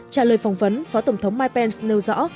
trả lời phỏng vấn phó tổng thống mike pence nêu rõ